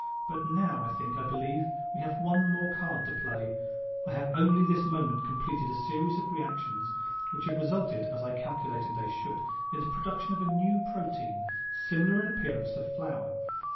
But now, I think, I believe, we have one more card to play. I have only this moment completed a series of reactions which have resulted (as I calculated they should) in the production of a new protein, similar in appearance to flour.